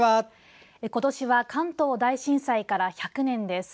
今年は関東大震災から１００年です。